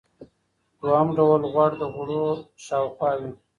دویم ډول غوړ د غړو شاوخوا وي.